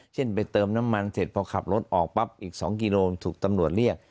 เช่นไปเติมน้ำมันเสร็จพอขับรถออกปั๊บอีก๒กิโลถูกตำรวจเรียก